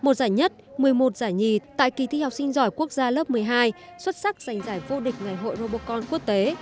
một giải nhất một mươi một giải nhì tại kỳ thi học sinh giỏi quốc gia lớp một mươi hai xuất sắc giành giải vô địch ngày hội robotcon quốc tế